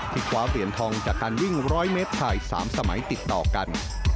คว้าเหรียญทองจากการวิ่ง๑๐๐เมตรไทย๓สมัยติดต่อกัน